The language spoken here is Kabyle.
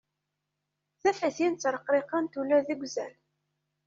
Tafatin ttreqriqent ula deg wazal.